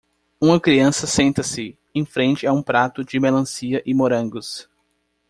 Uma criança senta-se em frente a um prato de melancia e morangos.